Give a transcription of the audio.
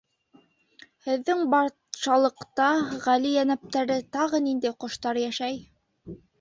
— Һеҙҙең батшалыҡта, ғәли йәнәптәре, тағы ниндәй ҡоштар йәшәй?